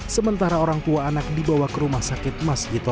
sementara orang tua anak dibawa ke rumah sakit mas gito